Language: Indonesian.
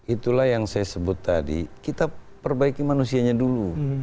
itulah yang saya sebut tadi kita perbaiki manusianya dulu